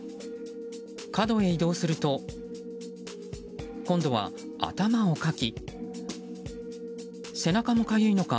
角へ移動すると今度は頭をかき背中もかゆいのか